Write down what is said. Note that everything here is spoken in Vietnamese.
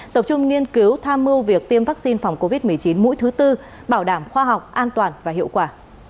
tập trung nghiên cứu tham mưu việc tiêm vaccine phòng covid một mươi chín mũi thứ tư bảo đảm khoa học an toàn và hiệu quả